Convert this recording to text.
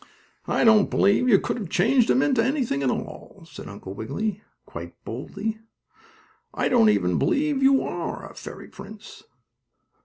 "I don't believe you could have changed him into anything at all," said Uncle Wiggily, quite boldly. "I don't even believe you are a fairy prince."